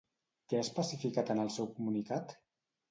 Què ha especificat en el seu comunicat?